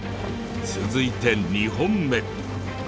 続いて２本目。